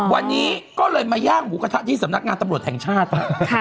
วันนี้ก็เลยมาย่างหมูกระทะที่สำนักงานตำรวจแห่งชาติ